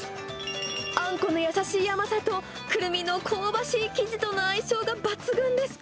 あんこの優しい甘さと、クルミの香ばしい生地との相性が抜群です。